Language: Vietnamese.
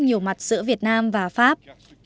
nhiều mặt giữa việt nam và pháp